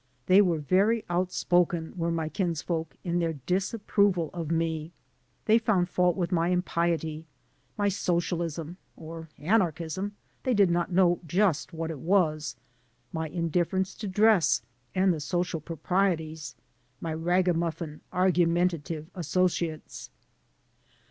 They were very outspoken, were my kinsfolk, in their disapproval of me. They found fault with my impiety, my sociahsm (or anarchism— they did not know just which it was), my indiflference to dress and the social proprieties, my ragamuffin argumentative associates.